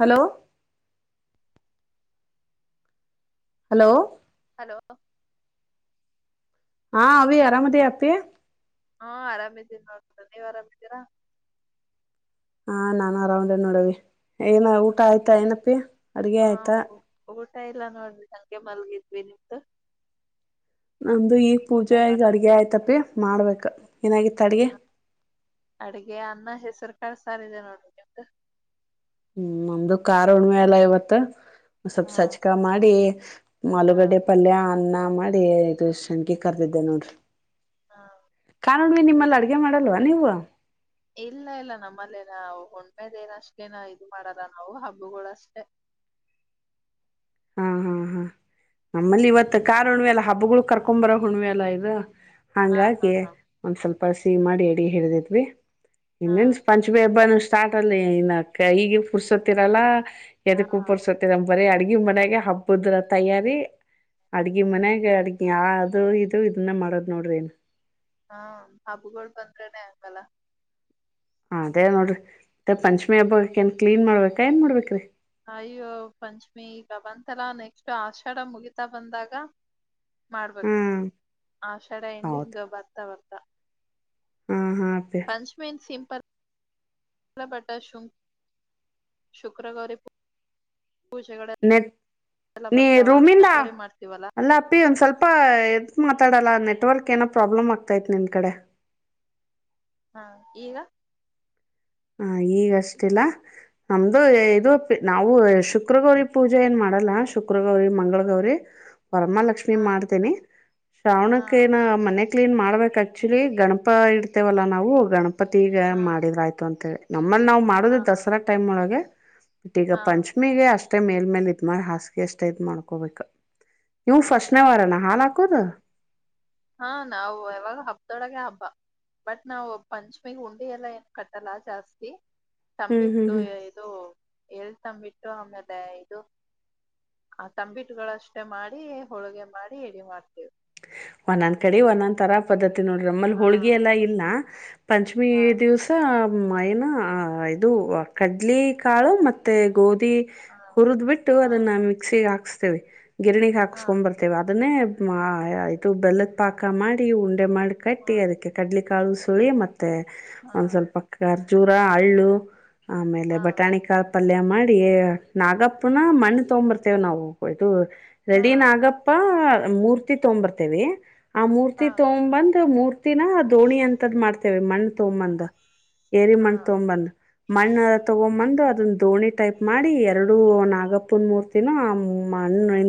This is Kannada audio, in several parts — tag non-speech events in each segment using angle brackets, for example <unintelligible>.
ಹಲೋ ಹಲೋ ಹಲೋ ಹಾ ಅವ ಆರಾಮದ ಆ ಹಾ ಆರಾಮಿದ್ದೀರಿ ನೋಡ್ ನೀವ್ ಆರಾಮಿದ್ದೀರಾ ಹಾ ನಾನ್ ಆರಾಮೇ ನೋಡವಿ ಏನ ಊಟ ಆಯ್ತಾ ಏನಪಿ ಹಾ ಊಟ ಇಲ್ಲ ನೋಡ್ರಿ ಸಂಗೆೆ ಮಲ್ಗಿದ್ವಿ ನಿಮ್ದು ನಮ್ದು ಈಗ್ ಈಗ ಊಟ ಪೂಜೆ ಈಗ ಮಾಡ್ಬೇಕು ಅಡ್ಗೆ ಆಯ್ತಪಿ ಮಾಡ್ಬೇಕ ಏನಾಗಿತ್ತ ಅಡ್ಗೆ ಅಡಗೆ ಅನ್ನ ಹೆಸರು ಕಾ ಸಾರಿದೆ ನೋಡ್ರಂತ ಹ್ಮ್ ನಮ್ದು ಕಖಾರ್ ಉಣ್ಮೆ ಎಲ್ಲಾ ಇವತ್ ಸ್ವಲ್ಪ ಹಾ ಸಚ್ಕ ಮಾಡಿ ಹಾ ಆಲೂಗಡ್ಡೆ ಪಲ್ಯ ಅನ್ನ ಮಾಡಿ ಇದು ಶಂಖಿ ಕರ್ದಿದ್ದೆ ನೋಡ್ರಿ ಹಾ ಕಾನೋಡ್ವಿ ಹ್ಮ್. ನಿಮ್ಮಲ್ಲಿ ಅಡ್ಗೆ ಮಾಡಲ್ವ ಅ ಹ ಇಲ್ಲ ಇಲ್ಲ ನಮ್ಮಲ್ಲೇನ ಹೊಣ್ಮೆದ ಏನ ಅಷ್ಟಲೇನ ಇದು ಮಾಡದ ನಾವು ಹಬ್ಬಗಳಷ್ಟೇ ಹಾ ಹಾ ಹಾ ನಮ್ಮಲ್ಲಿ ಇವತ್ತು ಕಾರ್ ಹುಣ್ವೆ ಎಾ ಹಬ್ಬಗಳು ಕರ್ಕೊಂಡ್ ಬರೋ ಹುಣ್ವೆ ಎಲ್ಲಾ ಇದು ಹಾ ಹಾ ಹಾ ಹಂಗಾಗಿಒಂದ್ ಸ್ವಲ್ಪಸ ಮಾಡಿ ಎಡಿ ಹಿಡಿದಿದ್ವಿ ಹಾ ಇನ್ನಿನ್ ಪಂಚಮಿ ಹಬ್ಬಾನ ಸ್ಟಾರ್ಟ್ ಅಲ್ಲಿ ಇನ್ನಕ್ಕ ಈಗ ಕುರ್ಸತ್ತಿರಲ್ಲ ಎದ ಹಾ ಕುೂಪರ್ಸತಿ ನಮ್ ಬರೀ ಅಡ್ಗ ಮನ್ಯಾಗ ಹಬ್ಬದ್ರ ತಯಾರಿ ಅಡ್ಗಿ ಮನ್ಯಾಗ ಅಡ್ಗಿ ಯ ಅದು ಇದು ಇದನ್ನ ಮಾಡೋದ್ ನೋಡ್ರಿ ನು ಹಾ ಹಾಬುಗಳು ಬಂದ್ರನೆ ಹಂಗಲ್ಲ ಅದೇ ನೋಡ್ರಿ ಮತ್ತೆ ಪಂಚಮಿ ಹಬ್ಬಕ್ಕೆ ಏನ್ ಕ್ಲೀನ್ ಮಾಡ್ಬೇಕಾ ಏನ್ ಮಾಡ್ಬೇಕ್ರಿ ಅಯ್ಯೋ ಪಂಚ್ಮಿ ಈಗ ಬಂತರಾ ನೆಕ್ಸ್ಟ್ ಆಷಾಢ ಮುಗೀತಾ ಬಂದಾಗ ಮಾಡ್ಬೇಕ ಹ್ಮ್ ಆಷಡ ಎಂಡಿಂಗ್ ಬರ್ತಾ ಬರ್ತ ಹ್ಮ ಪಂಚ್ಮೆಂ ಸಿಂಪಲ್ ಕಲಪಟ್ಟ ಶುಕ್ರಗರೆ ನೆ ನೀ ಬರ್ತಾವ ರೂಮಿಂದ ನಶ್ವರಿ ಮಾಡ್ತೀವಲ್ಲ ಅಲ್ಲ ಅಪ್ಪಿ ಒಂದ್ ಸ್ವಲ್ಪ ಅಪಾ ಎದ ಮಾತಾಡಲ್ಲ ನೆಟ್ವರ್ಕ್ ಏನೋ ಪ್ರಾಬ್ಲಮ್ ಆಗತ್ತೆ ನಿಮ ಕಡೆ ಹಾ ಈಗ ಹ ಈಗಷ್ಟಿಲ್ಲ ನಮ್ದು ಇದು ನಾವು ಶುಕ್ರಗೌರಿ ಪೂಜೆ ಏನ್ ಮಾಡವಿ ಮಾಡಲ್ಲ ಶುಕ್ರ ಗೌರಿ ಮಂಗಳ ಗೌರಿ ಪರಮಾಲಕ್ಷ್ಮಿ ಹ ಮಾಡ್ತೇನಿ ಹಾ ಶ್ರಾವಣಕ್ಕೇನ ಮನೆ ಕ್ಲೀನ್ ಮಾಡ್ಬೇಕಕ್ ಆಕ್ಚುಲಿ ಗಣಪ ಇಡ್ತೇವಲ್ಲಾ ನಾವು ಗಣಪತಿಗ ಹಾ ಮಾಡಿದ್ರ ಆಯ್ತು ಅಂತೇಳಿ ನಮ್ಮನ್ನು ನಾವು ಮಾಡೋದು ಹಾ ದಸರಾ ಟೈಮ್ಳಗೆ ಇಟ್ ಈಗ ಹಾ ಪಂಚಮಿಗೆ ಅಷ್ಟೇ ಮೇಲ್ ಮೇಲ್ ಇದ್ಮ ಹಾಸಿಗೆ ಅಷ್ಟೇ ಇದ್ ಮಾಡ್ಕೋಬೇಕ ನೀವು ಹಾ ಫಸ್ನವರಣ ಹಾಲ್ ಹಾಕೋದ ಹಾ ನಾವು ಯಾವಾಗ ಹಬ್ಬದೊಳಗೆ ಹಬ್ಬ ಬಟ್ ನಾವು ಪಂಚಮಿಗ್ ಉುಂಡೆ ಎಲ್ಲ ಏನ್ ಕಟ್ಟಲ್ಲ ಜಾಸ್ತಿ ಹ್ಮ್ ಹ್ಮ್ ತಂಬಿಟ್ಟು ಹ್ಮ್ ಇದು ಎಲ್ ತಂಬಿಟ್ಟು ಆಮೇಲೆ ಇದು ಆ ತಂಬಿಟ್ಗಳಷ್ಟೆ ಮಾಡಿ ಹೋಳ್ಗೆ ಮಾಡಿ ಎಡಿ ಮಾಡ್ತೇವಿ ಒಂದೊಂದ್ ಕಡೆ ಒಂದೊಂದ್ ತರ ಪದ್ದತಿ ನೋಡ್ರಿ ನಮ್ಮಲ್ ಹಾ ಹೋಳ್ಗಿ ಎಲ್ಲ ಇಲ್ಲಾ ಪಂಚಮಿ ಹಾ ದಿವಸ ನ ಇದು ಕಡ್ಲಿ ಕಾಳು ಮತ್ತೆ ಗೋಧಿ ಹಾ ಹುರಿದ್ ಬಿಟ್ಟು ಅದನ್ನ ಮಿಕ್ಸಿ ಹಾಕಸ್ತೇವೆ ಗಿರಣಿಗೆ ಹಾ ಹಾಕ್ಸ್ಕ ಬರ್ತೇವೆ ಅದನ್ನೇ ಇದು ಬೆಲ್ಲದ ಪಾಕ ಮಾಡಿ ಉಂಡೆ ಮಾಡಿ ಕಟ್ಟಿ ಹಾ ಅದಕ್ಕೆ ಕಡಲ ಕಾಳು ಸುಳಿ ಮತ್ತುತ್ತ ಮತ್ತೆ ಹಾ ಒಂದ್ ಸ್ವಲ್ಪರ್ಜೂರ ಹಳ್ಳು ಆಮೇಲೆ ಹಾ ಬಟಾಣಿಕಾ ಪಲ್ಯ ಮಾಡಿ ನಡಿ ನಾಗಪ್ಪನ ಮಣ್ಣ ತೊಂಬರ್ತೇವ ನಾವು ಇದು ರೆಡಿ ಹಾ ನಾಗಪ್ಪ ಮೂರ್ತಿ ತೊರ್ತೇವಿ ಆ ಮೂರ್ತಿ ಹಾ ತೊಂದ್ ಮೂರ್ ಹತಿನ ದೋಣಿ ಅಂತದ್ ಮಾಡ್ತೇವೆ ಮಣ್ಣ್ ತೊಂಬಂದ ಏರಿ ಹಾ ಮಣ್ಣ ತಗೊ್ ಬಂದ್ ಮಣ್ಣ ತಗೊಂಡ್ ಬಂದು ಅದನ್ನ ದೋಣಿ ಟೈಪ್ ಮಾಡಿ ಎರಡು ನಾಗಪ್ಪನ ಮೂರ್ತಿನ ಮಣ್ಣು ಇ.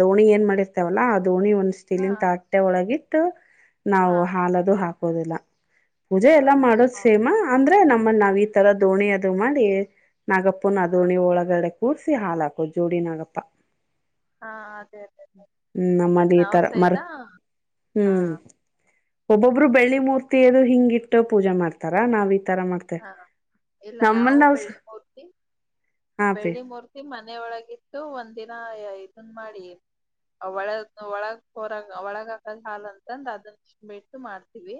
ದೋಣಿ ಏನ್ ಮಾಡಿರ್ತೇವಲ್ಲ ಅದು. ದೋಣಿ ಒಂದ್ ಹಾ ಸ್ಟೀಲನ್ ತಾಟ್ಟೆ ಒಳಗಿಟ್ಟ ನಾವು ಹಾ ಹಾಲದು ಹಾಕೋದಿಲ್ಲ. ಪೂಜೆ ಹಾ ಎಲ್ಲಾ ಮಾಡೋದ್ ಹಾ ಸೇಮಾ ಅಂದ್ರೆ ನಮ್ಮಲ್ಲಿ ನಾವ್ ಈ ತರ ದೋಣಿ ಅದು ಮಾಡಿ ನಗಪ್ಪುನ ದೋಣಿ ಒಳಗಡೆ ಕೂರ್ಸಿ ಹಾಲಾಕು ಜೋಡಿ ನಗಪ್ಪ ಹಾ ಅದೇ ಅದೇ ಅ ಹ್ಮ್ ನಮ್ಮದ ಈ ತರ ಮರ್ ಹಾ ಹ್ಮ್ ಒಬ್ಬೊಬ್ರು ಬೆಳ್ಳಿ ಮೂರ್ತಿಯದು ಹಿಂಗಿಟ್ಟು ಪೂಜಾ ಮಾಡ್ತಾರ ನಾವ್ ಇ ಹಾ ಇಲ್ಲ ನಾವು ನಾವ್ ಬೆಳ್ಳಿ ಮೂೂರ್ತಿ ಹಾ ಪಿ ಬೆಳ್ಳಿ ಮೂರ್ತಿ ಮನೆ ಒಳಗಿತ್ತು ಒಂದಿನ ಇದಐನ್ ಮಾಡಿ ಒಳ ಒಳಗ ಹೊರಾಗ ಒಳಗ ಹಾಕದ ಹಾಲ್ ಅಂತಂದ ಅದನ್ನ ಬಿಟ್ಟು ಮಾಡ್ತೀವಿ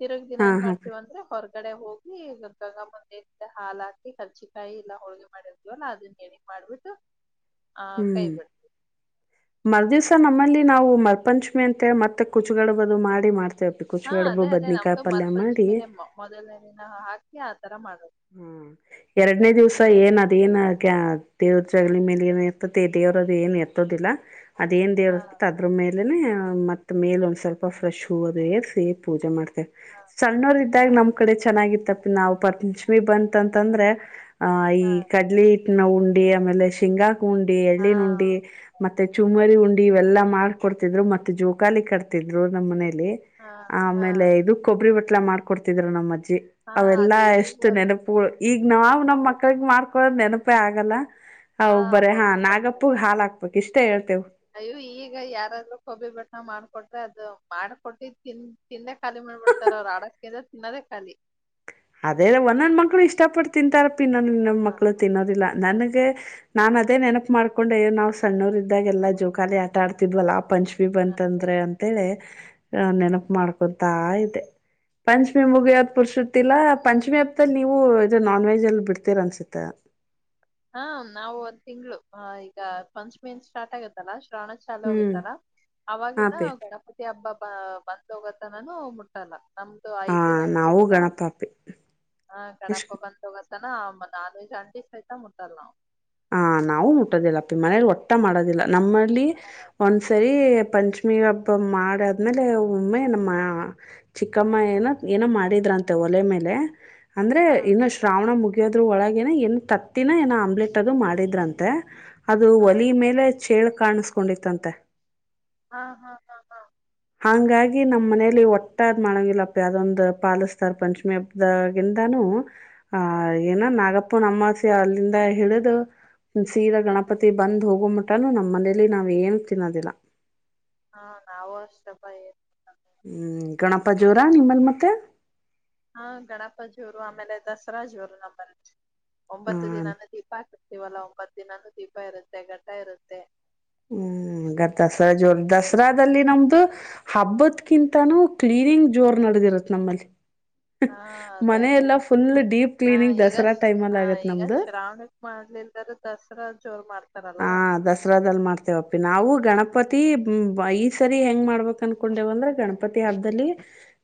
ತಿರುಗ್ ದಿನ ಹಾ ಏನ್ ಹಾ ಪಿ ಮಾಡ್ತತಿವ ಅಂದ್ರೆ ಹೊರಗಡೆ ಹೋಗಿ ಗಕಾಗ ಮುಂದೆ ಹಾಲ ಹಾಕಿ ಕರ್ಚಿಕಾಯಿ ಇಲ್ಲಾ ಹೋಳ್ಗೆ ಮಾಡಿರ್ದ್ವಲ್ಲ ಅದನ್ನ ಎಡಿ ಮಾಡ್ಬಿಟ್ಟು. ಆ ಕೈ ಹ್ಮ್ ಬಿಡ್ತ ಮರ್ದ. ನಮ್ಮಲ್ಲಿ ನಾವು ಮರ್ಪಂಚಮಿ ಅಂತ ಹೇಳಿ ಮತ್ತೆ ಕುಚ್ಗಡ್ಬು ಅದು ಮಾಡಿ ಮಾಡ್ತೀವಿ. ಹಾ ಅದೇ ಅದೇ ನಮ್ದು ಮರಪಂಚಮಿನೇ ಮೊದಲನೇ ದಿನ ಹಾಕಿ ಆತರ ಮಾಡ. ಹ್ಮ್. ಎರಡನೇ ದಿವ್ಸ ಏನ್ ಅದೇಏನ್ ದೇವ್ರ ಜಗಲೀ ಮೇಲೆ ಏನ್ ಇರ್ತತಿ ದೇವ್ರದು ಏನ್ ಇರ್ತ. ಅದೇಏನ್ ದೇವರು ಹಾ ಇರ್ತೇತಿ ಅದ್ರ ಮೇ. ಇಲ್ಲ ಮತ್ತ ಮೇಲ ಒಂದ್ ಸ್ವಲ್ಪ ಫ್ರೆಶ್ ಹೂ ಅದು ಏರಿಸಿ ಪೂಜೆ ಮಾಡ್ತ. ಹಾ ಸಣ್ಣವರ್ ಹಾ ಇದ್ದಾಗ ನಮ್ ಕಡೆ ಚೆನ್ನಾಗಿತ್ತಪ್ಪ ನಾವ್ ಪಪಂಚಮಿ ಬಂತಂತಂದ್ರೆ. ಆಹ ಈ ಹಾ ಕಡ್ಲಿ ಹಿಟ್ಟಿನ ಉಂಡಿ ಆಮೇಲೆ ಶೇಂಗಾ. ಉಂಡಿ ಹಾ ಎಳ್ಳಿನ ಉಂಡಿ ಮತ್ತೆ ಅದೇ ಚುಮರಿ ಉಂಡಿ ಇವೆಲ್ಲಾ ಮಾಡ. ಕೊಡ್ತಿದ್ರು ಮತ್ ಜೋಕಾಲಿ ಕಟ್ತಿದ್ರು ನಮ್ಮ್ ಮನೆ. ಹಾ ಹಾ ಆಮೇಲೆ ಇದು ಕೊಬ್ಬರಿ ಬಟ್ಲ ಮಾಡ್ಕೊಡ್ತಿದ್ರ ನಮ್ ಅಜ್ಜಿ ಹಾ ಅವೆಲ್ಲಾ ಅದು ಎಷ್ಟ. ಈಗ ಅಷ್ಟು ನೆನಪು ಈಗ ನಾವು ನಮ್ಮ ಹೌದು ಮಕ್ಳಿಗೆ ಮಾಡ್ಕೊಳೋದು ನೆನಪೇ ಆಗಲ್ಲ. ಹಾ ಹೌಬರ ಅವಾಗ ಹಾ ಗೊತ್ತಾಗ್ತದೆ ನಾಗಪ್ಪಗ್ ಹಾಲ ಹಾಕ್ಬೇಕಕ್ ಇಷ್ಟ ಹೇಳ್ತೆೇವು. ಅಯ್ಯೋ ಈಗ ಯಾರಾದ್ರೂ ಕೊಬ್ರಿ ಬಾಟ್ಲಾ ಮಾಡ್ಕೊಟ್ಟ. ಅದು ಮಾಡ್ಕೊಟ್ಟು ತಿನ್ ತಿನ್ನೇ ಖಾಲಿ ಮಾಡ್ಬಿಡ್ತಾರ ಅವ್ರು ಆಡಸ್ಕ ತಿನ್ನೋದೇ ಖಾಲಿ. ಅದೇ ಒಂದೊಂದ ಮಕ್ಳು ಇಷ್ಟಪಟ್ಟ ತಿಂತಾರಪ್ಪಿ ಇನ್ನೊ ಹಾ ಇನ್ನೊ ಮಕ್ಳು ತಿನ್ನೋದಿಲ್ಲ ನನ್. ನಾನ್ ಅದೇ ನೆನಪ ಮಾಡ್ಕೊಂಡು ನಾವ್ ಸಣ್ಣವರ್ ಇದ್ದಾಗ ಎಲ್ಲಾ ಜೋಕಾಲಿ ಆಟ ಆಡ್ತಿದ್ವಲ್ಲಾ ಪಂಚ. ಅದೇ ಬಂತಂದ್ರೆ ಅದೇ ಅಂತೇಳಿ. ಆ ನೆನಪು ಮಾಡ್ಕೊತಾ ಇದ್ದೆ ಪಂಚಮಿ ಮುಗ್ಯೋದ್ ಪುರುಷ. ಗತ್ತಲ್ಲಾ ಪಂಚಮಿ ಹತ್ತಲ್ಲಿ ನೀವು ಇದು ನಾನ್ ವೆಜ್ ಅಲ್ಲಿ ಬಿಡ್ತೀರ ಅನ್ಸತ್ತ. ಹಾ ನಾವು ಒಂದ್ ತಿಂಗ್ಗಳು ಈಗ ಪಂಚಮಿ ಏನ್ ಸ್ಟಾರ್ಟ್ ಆಗತ್ತಲ್ಲ. ಶ್ರಾವಣ ಚಾಲೂ ಹ್ಮ್ ಆಗುತ್ತಲ್ಲ ಹಾ ಅವವಾಗಿಂದ ಪಿ ಗಣಪತಿ ಹಬ್ಬ ಬ ಬಂದ ಹೋಗೋತನಾನು ಮುಟ್ಟಲ್ಲ. ನಮ್ದು ಹ ಐದಿನ ನಾವು ಇಡ್ತೆವಲ್ಲ ಗಣಪ ಪಿ ಹ ಎಷ್ಟ ಗಣಪ್ಪ ಬಂದೋಗ ತಾನಾ ನಾನ್ವೆಗ್ ಅಂಡೆ ಸಹಿತಾ ಮುಟ್ಟಲ್ಲಾ. ಹ ನಾವು ಮುಟ್ಟೋದಿಲ್ಲ ಅಪ್ಪಿ ಮನೇಲಿ ಒಟ್ಟ ಮಾಡೋದಿಲ್ಲ ನಮ್ಮಲ್ಲಿ ಒಂದ್ಸರಿ. ಪಂಚಮಿ ಹಬ್ಬ ಮಾಡ ಆದ್ಮೇಲೆ ಒಮ್ಮೆ ನಮ್ಮ. ಚಿಕ್ಕಮ್ಮ ಏನೋ ಹ್ಮ್ ಏನೋ ಮಾಡಿದ್ರಂತೆ ಒಲೆ ಮೇಲೆ ಅಂದ್ರೆ ಹಾ ಇನ್ನು ಶ್ರಾವಣ ಮುಗ. ದ್ರ ಒಳಗೇನ ಏನ್ ತತ್ತಿನ ಏನ ಆಮ್ಲೆಟ್ ಅದು ಮಾಡಿದ್ರಂತೆ ಅದು ಹಾ ಒಲಿ ಮೇಲೆ. ಚೇಳ ಕಾಣಸ್ಕೊಂಡಿತ್ತಂತೆ. ಹಾ ಹಾ ಹಾ ಹಾ. ಹಂಗಾಗಿ ನಮ್ಮ್ನೇಲಿ ಒಟ್ಟ ಮಾಡಂಗಿಲ್ಲಪ್ಪ ಅದೊಂದು ಪಾಲಸ್ತಾರ್ ಪಂಚಮಿ ಹಬ್ಬದಾಗಿಂದಾನೂ. ಆ ಹಾ ಏನ ನಾಗಪ್ಪನಮ್ಮಾಸ್ಯ ಅಲ್ಲಿಂದ ಹಿಡಿದು. ಸೀದಾ ಗಣಪತಿ ಬಂದ್ ಹೋಗ ಮುಟ್ಟಾನು ನಮ್ಮ್ ಮನೇಲಿ ನಾವ್ ಏನು ತಿನ್ನೋದಿಲ್ಲ. ಹಾ ನಾವ ಅಷ್ಟಪಾ. ಹ್ಮ್ ಗಣಪ ಜೋರ ನಿಮ್ಮಲ್ ಮತ್ತೆ. ಹಾ ಗಣಪ ಜೋರು ಆಮೇಲೆ ದಸರಾ ಜೋರು ನಮ್ಮಲ್ಲೇ. ಆ ಒಂಬತ್ತು ದಿನಾನೂ ದೀಪ ಹಾಕರ್ತೀವಲ್ಲಾ ಒಂಬತ್ ದಿನಾನೂ ದೀಪ ಇರುತ್ತೆ ಘಟ್ಟ ಇರುತ್ತೆ ಹ್ಮ್ ದಸರಾ ಜೋರ್ ದಸರಾದಲ್ಲಿ ನಮ್ದು ಹಬ್ಬದಕಿಂತನು ಕ್ಲೀನಿಂಗ್ ಜೋರ್ ನ. ಇ ನಮ್ಮಲ್ಲಿ. ಹಾ ಅದೇ ಅದೇ ಮನೆಯೆಲ್ಲ ಫುಲ್ ಡೀಪ್ ಹ ಕ್ಲೀನಿಂಗ್ ಈಗ ದಸರಾ ಟೈಮಲ್ಲಿ ಹ ಆಗತ್ತೆ ಈಗ ನಮ್ಮದು ಶ್ರಾವಣಕ್ ಮಾಡ. ಲ್ಲರೂ ದಸರಾ ಜೋರು ಮಾಡ್ತಾರಲ್ಲಾ. ದಸರಾದ ಅಲ್ಲಿ ಮಾಡ್ತಿ. ಪ್ಪಿ ನಾವು ಗಣಪತಿ ಈ ಸರಿ ಹೆಂಗ್ ಮಾಡ್ಬೇಕ ಅನ್ಕೊಂಡೇವ ಅಂದ್ರೆ ಗಣಪತಿ ಹಬ್ಬದಲ್ಲಿ.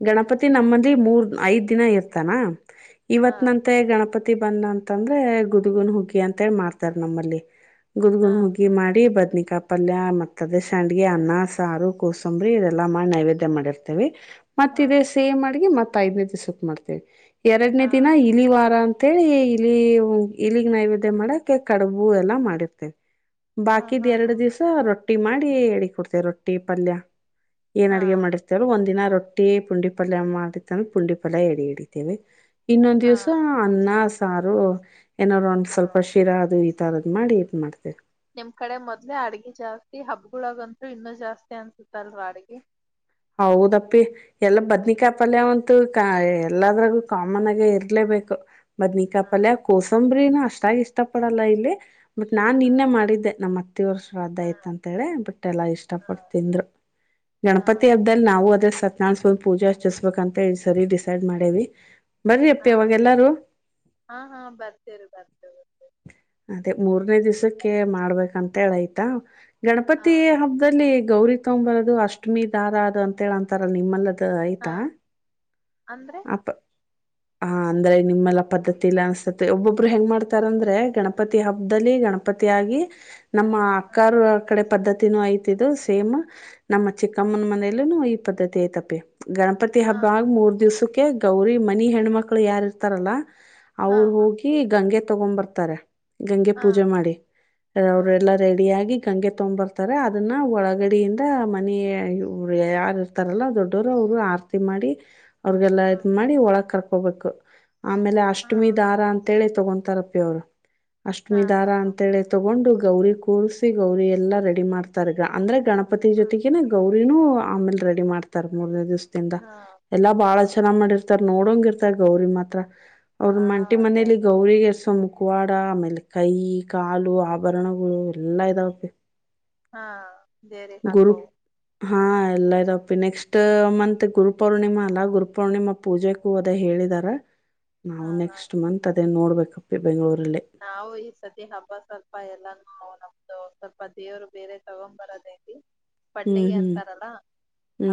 ಗಣಪತಿ ನಮ್ಮಂದಿ ಮೂರ್ ಐದ್ ದಿನ ಇರ್ತಾನ ಹಾ ಇವತ್ ನಂತೆ ಗಣಪತಿ. ಬಂದ ಅಂತಂದ್ರೆ ಗುದ್ಗುನ್ ಹುಗ್ಗಿ ಅಂತೇಳಿ ಮಾಡ್ತಾರ ನಮ್ಮಲ್ಲಿ. ಹಾ ಗುುದ್ಗುನ್ ಹೋಗಿ ಮಾಡಿ ಬದ್ನಿ ಪಲ್ಯ ಮತ್ತ ಅದೇ ಸಂಡಗ ಅನ್ನ ಸಾರು ಕೋಸಂಬರಿ ಇದೆಲ್ಲಾ ಮಾಡಿ ನೈವೇದ್ಯ ಮಾಡಿರ್ತೇವಿ ಮತ್ತ ಹಾ ಇದೇ ಸೇಮ್ ಅಡ್ಗಿ ಮತ್ ಐದನೇ ದಿವ್ಸಕ್ ಮಾಡ್ತೇವಿ ಎರಡನೇ ಹಾ ದಿನ ಇಲಿ ವಾರ ಅಂತ ಅಂತೇಳಿ ಇಲ್ಲಿ ಇಲ್ಲಿಗ್ ನೈವೇದ್ಯ ಮಾಡಕ ಕಡುಬು ಎಲ್ಲಾ ಮಾಡಿರ್ತೇವಿ ಹಾ ಬಾಕಿದ್ ಹಾ ಎರಡ್ ಹಾ ದಿವ್ಸ ರೊಟ್ಟಿ ಮಾಡಿ ಎಡ ಕೊಡ್ತೇ ರೊಟ್ಟಿ ಪಲ್ಯ ಏನ್ ಹಾ ಅಡಗೆ ಮಾಡಿರ್ತೇವರು ಒಂದ ದಿನ ರೊಟ್ಟಿ ಟ್ಟಿ ಪುಂಡಿ ಪಲ್ಯ ಮಾಡತ್ತ ಅಂದ್ರೆ ಪುಂಡಿ ಪಲ್ಯ ಎಡಿ ಹಿಡಿತೇವಿ ಇನ್ನೊಂದ ಹಾ ದಿವ್ಸ ಅನ್ನ ಸಾರು ಏನಾದ್ರು ಒಂದ್ ಹಾ ಸ್ವಲ್ಪ ಶಿರಾ ಅದು ಈ ತರದ್ ಮಾಡಿ ಇ ಮಾಡ್ತೇವಿ ನಿಮ್ ಕಡೆ ಮೊದ್ಲೆ ಅಡ್ಗ ಜಾಸ್ತಿ ಹಬ್ಗಳಗಂರು ಇನ್ನುೂ ಜಾಸ್ತಿ ಅನ್ಸತ್ತಲ್ವಾ ಅಡ್ಗೆ ಹೌದಪ್ಪಿ ಎಲ್ಲ ಬದ್ನಿಕಾಪಲ್ಯವಂತು ಕ ಎಲ್ಲದ್ರಗು ಕಾಮನ್ ಆಗೇ ಇರ್ಲ ಬ ಮ್ ನೀಿಕಪಲ್ ಕೋಸಂಬ್ರನ ಅಷ್ಟಾಗಿ ಇಷ್ಟ ಪಡಲ್ಲ ಇಲ್ಲಿ ಮತ್ ನಾನ್ ಹಾ ನಿನ್ನೆ ಮಾಡ್ ಮಾಡಿದ್ದೆ ನಮ್ಮ್ ಅತ್ತ ವರ್ಷ ಹಾ ಅದಯ್ತ ಅಂತೇಳಿ ಬಿಟ್ಟ ಎಲ್ಲಾ ಇಷ್ಟ ಹಾ ಪಡ್ತಿಂದ್ರು ಹಾ ಗಣಪತಿ ಹಬ್ಬ್ದದಲ್ಲಿ ನಾವು ಅದ್ರ ಸನಾಾರ ಸ್ವಾಮಿ ಪೂಜೆ ಅರ್ಚಿಸ್ಬೇಕಂತ ಸರಿ ಡಿಸೈಡ್ ಮಾಡೇವಿ ಬರ್ರಿ ಹಾ ಅಪ್ಪಿ ಅವಾಗೆಲ್ಲಾರು ಹಾ ಹಾ ಬರ್ತೇ ರೀ ಬರ್ತ ಬರ್ತ ಮತ್ತ ಮೂರನೇ ದಿವ್ಸಕ್ಕೆ ಮಾಡ್ಬೇಕಂತ ಹೇಳ ಆಯ್ತಾ ಹಾ ಗಣಪತಿ ಹಬ್ಬದಲ್ಲಿ ಗೌರಿ ತಂಬರದು ಅಷ್ಟಮಿ ದಾರ ಅದು ಅಂತ ಹೇಳ ಅಂತಾರ ನಿಮ್ಮಲ್ಲ ಅ ಹಾ ಆಯ್ತಾ ಅಂದ್ರೆ ಅ ಹಾ ಅಂದ್ರೆ ನಿಮ್ಮೆಲ್ಲ ಪದ್ಧತಿ ಇಲ್ಲ ಅನ್ಸ್ತತೆ ಒಬ್ಬೊಬ್ರು ಹೆಂಗ್ ಮಾಡ್ತಾರ ಅಂದ್ರೆ ಗಣಪತಿ ಹಬ್ಬದಲ್ಲಿ ಗಣಪ ಪತಿ ಆಗ ನಮ್ಮ ಹಾ ಅಕ್ಕ ಕಡೆ ಪದ್ಧತಿನೂ ಐತಿದ್ದು ಸೇಮ್ ನಮ್ಮ ಚಿಕ್ಕಮ್ಮನ ಮನೇಲ್ಲೂ ಈ ಪದ್ಧತಿ ಐ್ತಪೆ ಗಣಪತಿ ಹಾ ಹಬ್ಬ ಆಗ ಮೂರ್ ದಿವ್ಸ ಗೌರಿ ಮನಿ ಹೆಣ್ಮಕ್ಳು ಯಾರ ಇರ್ತಾರಲ್ಲ ಹಾ ಅವರು ಹೋಗಿ ಗಂಗೆ ತಗೊಂಡ್ ಬರ್ತಾರೆ ಗಂಗೆ ಹಾ ಪೂಜೆ ಮಾಡಿ ಹಾ ಅವ್ರಲ್ಲಾ ರೆಡಿ ಆಗಿ ಗಂಗೆ ತೊೊಂಡ್ ಬರ್ತಾರೆ ಅದನ್ನ ಒಳಗಡಿಂದ ಮನ ಇವರು ಯಾರ ಇರ್ತಾರಲ್ಲ ದೊಡ್ಡೋರು ಅವರು ಆರ್ತಿ ಮಾಡಿ ಅವ್ರಿಗೆಲ್ಲಾ ಹಾ ಇದ್ ಮಾಡಿ ಒಳಗ್ ಕರ್ಕೋಬೇಕು ಆಮೇಲೆ ಹಾ ಅಷ್ಟಮಿ ದಾರ ಅಂತೇಳಿ ತಗೊತಾರಪ್ಪಿ ಅವರು ಅಷ್ಟ್ಮಿ ಹಾ ದಾರ ಅಂತೇಳಿ ತಗೊಂಡು ಗೌರಿ ಕೂರ್ಸಿ ಗೌರಿ ಎಲ್ಲಾ ರೆಡಿ ಮಾಡ್ತಾರಗ ಅಂದ್ರೆ ಗಣಪತಿ ಹಾ ಜೊತೆಗೆ ಗೌರಿನ ಆಮೇಲೆ ರೆಡಿ ಮಾಡ್ತಾರ ಮೂರ್ನೇ ದಿವ್ಸದಿಂದ ಹಾ ಎಲ್ಲಾ ಹಾ ಬಾಳ ಚನ್ನ್ ಮಾಡಿರ್ತಾರೆ ನೋ ನಂಗ ಇರ್ತ ಗೌರಿ ಮಾತ್ರ ಹಾ ಅವ್ರ ಮಂಟಿ ಅದೇ ಮನೇಲಿ ಅದೇ ಗೌರಿ ಎಸ ಮು ಕು ಕವಾಡ ಆಮೇಲೆ ಕೈ ಕಾಲು ಆಭರಣಗಳು ಎಲ್ಲಾ ಇದಾವಪ್ಪೆ ಹಾ ಬೇರೆ ಹಾಕ ಹಾ ಎಲ್ಲ ಇದಪ್ಪಿ ನೆಕ್ಸ್ಟ್ ಮಂತ್ ಗುರು ಪೌರ್ಣಿಮಾ ಅಲ್ಲಾ ಗುರು ಪೌರ್ಣಿಮಾ ಪೂಜೆ ಕೂ ಅದ ಹೇಳಿ ಇದ ನಾವು ಹಾ ಹಾ ನೆಕ್ಸ್ಟ್ ಮಂತ್ ಅದೇ ನೋಡ್ಬೇಕಪ್ಪ ಬೆಂಗಳೂರು ನಾವು ಈ ಸತಿ ಹಬ್ಬ ಸ್ವಲ್ಪ ಎಲ್ಲಾನನ ಸ್ವಲ್ಪ ದೇವರು ಬೇರೆ ತಗೊ್ ಬರೋದೈತಿ ಹ್ಮ್ ಪಡ್ಿಗೆ ಹ್ಮ್ ಅಂತಾರಲ್ಲ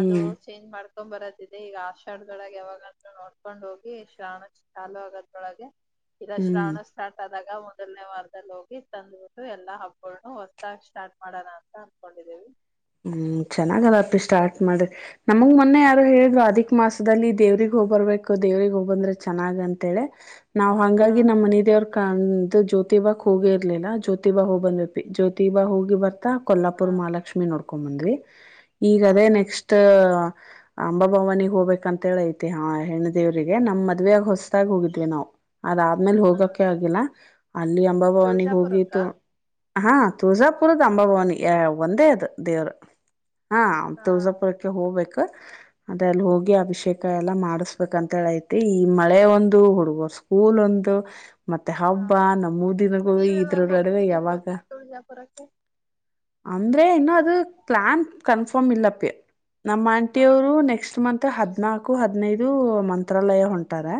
ಅದು ಚೇಂಜ್ ಮಾಡ್ ಕಕೊ್ ಬರತ್ತ ಇದೆ ಈಗ ಆಷಡದೊಳಗೆ ಯಾವಾಗಂತೂ ನೋಡ್ಕೊಂಡ್ ಹೋಗಿ ಶ್ರಾಣ ಚಾಲು ಆಗದೊಳಗೆ ಇದು ಹ್ಮ್ ಶ್ರಾವಣ ಸ್ಥ ಆದಾಗ ಮೊದಲನೇ ವಾರದಲ್ಲಿ ಹೋಗಿ ತಂದ್ಬಿಟ್ಟು ಎಲ್ಲ ಹಬ್ಬನ್ನ ಹೊಸದಾಗಿ ಸ್ಟಾರ್ಟ್ ಮಾಡೋಣ ಅಂತ ಅನ್ಕೊಂಡಿದ್ರು ಹ್ಮ್ ಚೆನ್ನಾಗಲತಿ ಸ್ಟಾರ್ಟ್ ಮಾಡ್ರಿ ನಮಗ ಮೊನ್ನೆ ಯಾರು ಹೇಳಿದರು ಅದಿ ಮಾಸದಲ್ಲಿ ದೇವ್ರಗ್ ಹೋಗ್ಬರ್ಬೇಕು ದೇವ್ರಗ್ ಹೋಗಬಂದ್ರೆ ಚೆನ್ನಾಗ ಅಂತೇಳಿ. ನಾವ್ ಹಾ ಹಂಗಾಗಿ ನಮ್ಮ ಮನೆ ದೇವ್ರ ಕಂಡ ಜ್ಯೋತಿಬಾಕ್ ಹೋಗಿ ಇರ್ಲಿಲ್ಲ ಜ್ಯೋತಿಾ ಹೋಗಿ ಬಂದ್ಬಪಿ ಜ್ಯೋತಿಬಾ ಹೋಗಿ ಬರ್ತಾ ಹಾ ಕೊಲ್ಲಾಪುರ್ ಮಹಾಲಕ್ಷ್ಮಿ ನೋಡ್ಕೊಂಡ ಬಂದ್ವಿ ಹಾ ಈಗದೇ ಹಾ ನೆಕ್ಸ್ಟ್ ಅಂಬಾ ಭವನಿಗೆಗ್ ಹೋಗ್ಬೇಕ ಅಂತ ಹೇಳಐತಿ ಹ ಹೆಣ್ಣ ದೇವ್ರಿಗೆ ನಮ್ ಮದ್ವೆ ಆ ಹೊಸ್ದಾಗ ಹೋಗಿದ್ವಿ ನಾವು ಅದಾದ್ಮೇಲೆ ಹೋಗಕ ಆಗಿಲ್ಲ ಅಲ್ಲಿ ಅಂಬಾಭವಾನಿ ತುಳ್ಜಾಪುರಕ್ಕ ಹೋಗಿತ್ತುು ಹಾ ತುಳ್ಜಾಪುರದ ಅಂಬಭವಾನಿ ಒಂದೇ ಅದು ದೇವರು ಹಾ ತುಳ್ಜಾಪುರಕ್ಕೆ ಹೋಗ್ಬೇಕು ಅದ ಅಲ್ಲಿ ಹೋಗಿ ಅಭಿಷೇಕ ಎಲ್ಲ ಮಾಡಿಸ್ಬೇಕ ಅಂತ ಹೇಳ ಐತಿ ಈ ಮಳೆ ಒಂದು ಹುಡುಗ ಸ್ಕೂಲ್ ಒಂದು ಂದು ಮತ್ತೆ ಹಾ ಹಬ್ಬ ನಮ್ಮೂ ದಿನಗೂ ನೀವ್ ಇದ್ರ ಯಾವಾಗ ನಡುವೆ ಹೋಗ್ತೀರಿ ಯಾವಾಗ. ಹೋದ್ರೆ ತುಳ್ಜಾಪುರಕ್ಕೆ ಅಂದ್ರೆ ಇನ್ನು ಅದು ಪ್ಲಾನ್ ಕನ್ಫರ್ಮ್ ಇಲ್ಲಪ್ಪಿ ನಮ್ಮ ಹಾ ಆಂಟಿಯವರು ನೆಕ್ಸ್ಟ್ ಮಂತ್ ಹದ್ನಾಕು ಹದನೈದು ಮಂತ್ರಾಲಯ ಹೊಂಟಾರೆ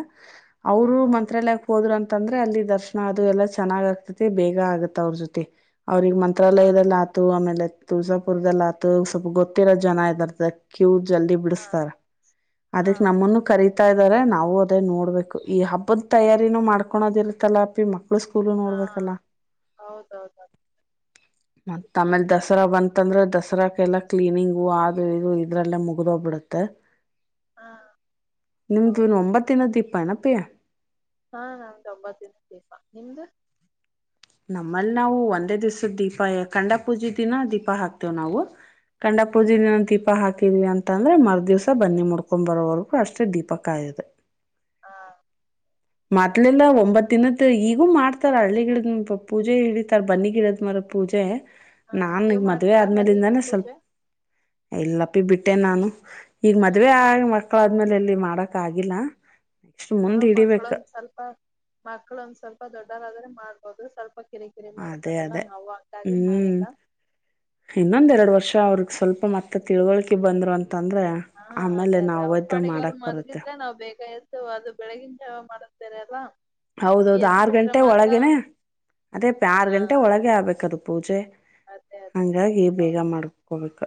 ಅವರು ಹ್ಮ್ ಮಂತ್ರಾಲಯಕ್ಕೆ ಹೋದ್ರ ಅಂ ಅಂತಂದ್ರೆ ಅಲ್ಲಿ ದರ್ಶನ ಅದು ಎಲ್ಲಾ ಚೆನ್ನಾಗ್ ಆಗ್ತತೆ ಬೇಗ ಆಗತ್ತ ಅವ್ರ ಜೊತಿ. ಅವ್ರಿಗೆ ಹಾ ಮಂತ್ರಾಲಯದಲ್ಲ ಆತು ಆಮೇಲೆ. ತುಳ್ಸಾಪುರ್ದಲ್ಲ ಆತ ಸ್ವಲ್ಪ ಗೊತ್ತಿರೋ ಜನ ಇದ ಕ್ಯು ಜಲ್ದಿ ಹಾ ಬಿಡಿಸತಾರ ಹಾ ಅದಕ್ ನಮ್ಮನ್ನು ಕರಿ <unintelligible> ಇದಾರೆ ನಾವು ಅದೇ ನೋಡ್ಬೇಕು ಈ ಹಬ್ಬದ ತಯಾರಿನೂ ಮಾಡ್ಕೊಳೋದಿರ್ತ್ತಲ್ಲ ಅಪ್ಪಿ ಮಕ್ಕ <unintelligible> ಸ್ಕೂಲ್ ಹಾ ನೋಡ್ಬೇಕಲ್ಲ ಹೌದೌದು ಮತ್ತ ಆಮೇಲೆ ದ ದಸರಾ ಬಂತಂದ್ರೆ ದಸರಾಕೆಲ್ಲಾ ಕ್ಲೀನಿಂಗು ಆದು ಇದು ಇದ್ರಲ್ಲೇ ಮುಗ್ದೋಗ್ಬಿಡುತ್ತೆ. ಹಾ ಹೌದು ನಿಮ್ದಿನ್ ಒಂಬತ್ತಿನ ದೀಪ ಏನಪ್ಪಿ. ಹಾ ನಾಂದು ಒಂಬಾತ್ತಿ ದಿನ ನಿಮ್ದು ನಮ್ಮಲ್ಲಿ ನಾವು ಒಂದೇ ದಿವ್ಸದ ದೀಪ ಖಂಡ ಪೂಜೆ ದಿನ ದೀಪ ಹಾಕ್ತೇವ್ ನಾವು ಕಂಡ ಪೂಜಿನ ನಂದು ದೀಪ ಹಾಕಿ ಎಲ್ಲಿ ಅಂತ ಅಂದ್ರೆ ಮರ್ ದಿವ್ಸ ಬನ್ನಿ ಮುಡ್ಕೊ ಬರೋವರೆಗೂ ಅಷ್ಟೇ ದೀಪಕಾಯದು. ಹಾ ಮದ್ಲಿಂದ ಒಂಬತ್ ದಿನದ್ ಈಗೂ ಮಾಡ್ತಾರ ಹಳ್ಳಿ ಗಿಡ ಪೂಜೆ ಇಡಿತರ್ ಬನ್ನಿ ಗಿಡದ್ ಮರ್ ಪೂಜೆ ಹಾ ನಾ ನೀವ್ ಈಗ ಮದ್ವೆ ಮಾಡ್ತೀರಾ ಬಲಿಗಿಡ ಆದ್ಮೇಲಿಂದಾನೇ ಸ್ವಲ್ಪ ಪೂಜೆ <inaudible> ಎಲ್ಲಪ್ಪಿ ಬಿಟ್ಟೆ ನಾನು ಈಗ ಮದ್ವೆ ಹ ಆ ಮಕ್ಳ ಆದ್ಮೇಲೆ ಎಲ್ಲಿ ಮಾಡಕ್ ಆಗಿಲ್ಲ. ನೆಕ್ಸ್ಟ್ ಹಾ ಮುಂದ್ ಹಿಡಿಬೇಕ ಮಕ್ಳೊಂದ್ ಸ್ವಲ್ಪ ಮಕ್ಳೊಂದ ಸ್ವಲ್ಪ ದೊಡ್ಡರಾದ್ರೆ ಮಾಡ್ಬೋದು ಸ್ವಲ್ಪ ಕಿರಿಕಿರಿ ಅದೇ ಮಾಡ್ತಾರಲ್ಲ ಅದೇ ನಾವು ಹಂಗಾಗಿ ಹ್ಮ್ ಮಾಡಿಲ್ಲ ಇನ್ನೊಂದೆರಡು ವರ್ಷ. ಅವ್ರಗ್ ಸ್ವಲ್ಪ ಮತ್ತೆ ತಿಳ್ವಳಿಕೆ ಬಂದ್ರು ಅಂ ಹಾ ಅದೇ ಅದೇ ಅವ್ರ ಪಾಡಿಗೆ ಅವ್ರ ಮಾಡಕ್ ಬರುತ್ತೆ ಮಲ್ಗಿದ್ರೆ ನಾವ್ ಬೇಗ ಎದ್ದ್ ಅದು ಬೆಳಿಗಿನ ಜವ ಮಾಡ <unintelligible> ಹೌದೌದು ಆರು ಗಂಟೆ ಒಳಗೇನೆ ಅದೇ ಅಪಿ ಆರು ಹಾ ಗಂಟೆ ಒಳಗೆ ಆಗ್ಬೇಕದು ಪೂಜೆ. ಅದೇ ಅದೇ ಅದೇ ಹಂಗಾಗಿ ಬೇಗ ಹೌದು ಮಾಡ್ಕೋಬೇಕ್.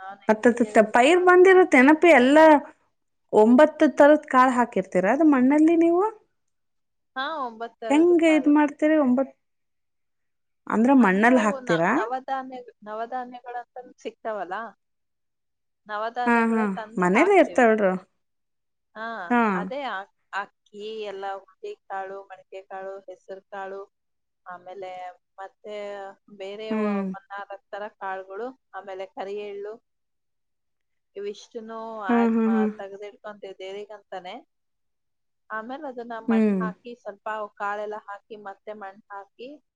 ನಾನ್ ನೆಕ್ಸ್ಟ್ ಇಯರ್ ಹತ್ತತ್ತ ಇಂದ ಪೈರ್ ಮಾಡ್ಬೇಕಂತ ಬಂದಿರುತ್ತೆನೆಪಿ ಎಲ್ಲಾ. ಒಂಬತ್ತು ತರದ್ ಕಾಳು ಹಾಕಿರ್ತೀರಾ ಅದು ಮಣ್ಣಲ್ಲಿ ನೀವು. ಹಾ ಒಂಬತ್ ತರದ್ದು ಹೆಂಗೆ ಕಾಳು ಇದ ಮಾಡ್ತರಿ ಒಂಬತ್ ಅಂದ್ರ ಅಂದ್ರೆ ಮಣ್ಣಲ್ಲಿ ಅವು ನ ಹಾಕ್ತೀರಾ ನವಧಾನ್ಯ ನವಧಾನ್ಯಗಳಂತ ಸಿಕ್ತಾವಲ್ಲಾ. ಹಾ ಹಾ ನವಧಾನ್ಯಗಳೇ ತಂದು ಮನೇಲ್ಲೇ ಹಾಕ್ತೀವಿ ಇರ್ತಾವಳ್ರು ಹಾ ಅದೇ ಅಕ್ಕಿ ಎಲ್ಲಾ ಉದ್ದಿ ಕಾಳು ಮಡ್ಕೆ ಕಾಳು ಹೆಸರು ಕಾಳು. ಆಮೇಲೆ ಮತ್ತೆ ಬೇರೆ ಹ್ಮ್ <unintelligible> ತರ ಕಾಳುಗಳು ಆಮೇಲೆ ಕರಿ ಎಳ್ಳು ಇವಿಷ್ ಚಿನ್ನು ಹಾ ಆಡ್ ಹಾ ಹಾ ತಗ್ದಿಡ್ಕೊಂತಿವ್ ದೇವ್ರಿಗಂತಾನೆ ಆಮೇಲೆ ಅದ್ - ಇದನ್ನ ಮಣ್ಣು ಹ್ಮ್. ಹಾಕಿ ಸ್ವಲ್ಪ ಕಾಳೆಲ್ಲಾ ಹಾಕಿ ಮತ್ತೆ ಮಣ್ಣು ಹಾಕಿ.